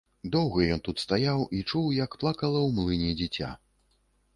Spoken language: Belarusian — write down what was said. Доўга ён тут стаяў і чуў, як плакала ў млыне дзіця.